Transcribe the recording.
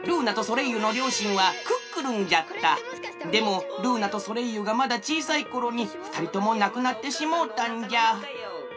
でもルーナとソレイユがまだちいさいころにふたりともなくなってしもうたんじゃ。